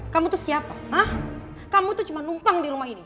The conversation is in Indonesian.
kamu tuh siapa kamu tuh cuma numpang di rumah ini